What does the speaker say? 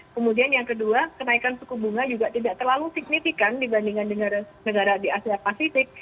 kemudian yang kedua kenaikan suku bunga juga tidak terlalu signifikan dibandingkan negara di asia pasifik